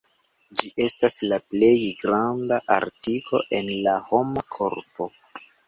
Ĝi estas la plej granda artiko en la homa korpo.